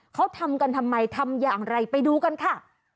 เขาทำกันทำไมทำอย่างไรไปดูกันค่ะ